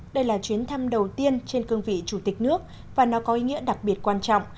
đây là chuyến thăm đầu tiên trên cương vị chủ tịch nước và nó có ý nghĩa đặc biệt quan trọng